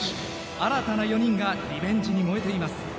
新たな４人がリベンジに燃えています。